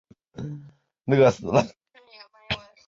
羚角密刺蟹为蜘蛛蟹科密刺蟹属的动物。